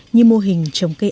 như mô hình trồng cây cây